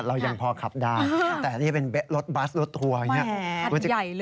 เรายังพอขับได้แต่นี่เป็นรถบัสรถทัวร์อย่างนี้